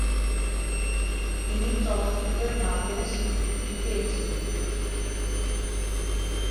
তিনি চলচ্চিত্রের মাধ্যমে স্বীকৃতি পেয়েছিলেন।